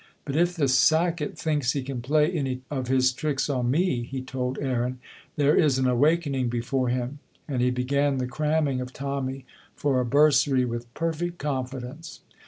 "But if the sacket thinks he can play any of his tricks on me," he told Aaron, "there is an awakening before him," and he began the cramming of Tommy for a bursary with perfect confidence.